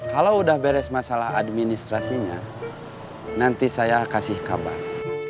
kalau udah beres masalah administrasinya nanti saya kasih kabar